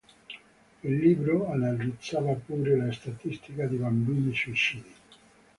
Il libro analizzava pure la statistica di bambini suicidi.